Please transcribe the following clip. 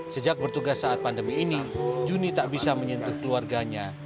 sejak bertugas saat pandemi ini juni tak bisa menyentuh keluarganya